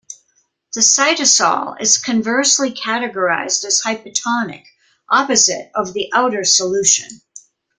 The cytosol is conversely categorized as hypotonic, opposite of the outer solution.